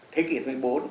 thế kỷ thứ một mươi bốn